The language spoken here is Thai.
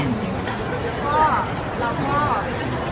ไม่ได้คุยมานานมากจากการถ่ายการที่ไทย